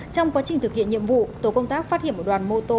trong quá trình thực hiện nhiệm vụ tổ công tác phát hiện một đoàn mô tô